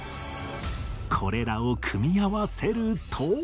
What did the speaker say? これらを組み合わせると